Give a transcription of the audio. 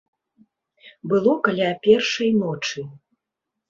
Было каля першай ночы.